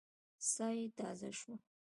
ساه يې تازه شوه.